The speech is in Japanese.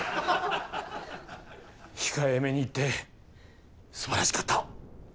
控えめに言ってすばらしかった！